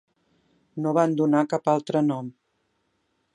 No van donar cap altre nom.